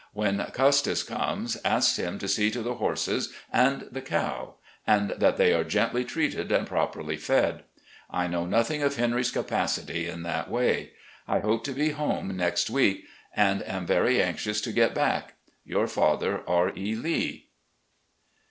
When Custis comes, ask him to see to the horses and the cow and that they are gently treated and properly fed. I know nothing of Henry's capacity in that way. I hope to be home next week and am very anxious to get back. "Your father, "R. E. Lee."